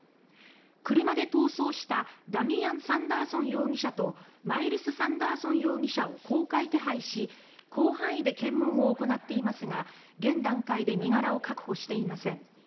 車で逃走したダミアン・サンダーソン容疑者とマイルス・サンダーソン容疑者を公開手配し広範囲で検問を行っていますが現段階で身柄を確保していません。